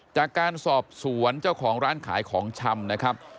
จากการสอบสวนเจ้าของร้านขายของชำนะครับ